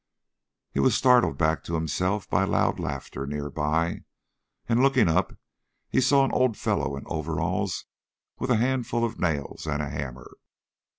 He was startled back to himself by loud laughter nearby, and, looking up, he saw an old fellow in overalls with a handful of nails and a hammer.